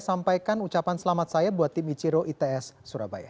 sampaikan ucapan selamat saya buat tim ichiro its surabaya